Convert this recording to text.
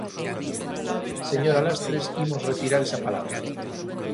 Señora Lastres, imos retirar esa palabra.